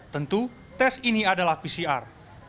tentu tes ini adalah pcr